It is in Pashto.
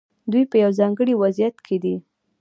دوی په یو ځانګړي وضعیت کې دي.